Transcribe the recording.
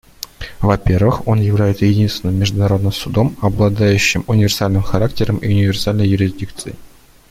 Во-первых, он является единственным международным судом, обладающим универсальным характером и универсальной юрисдикцией.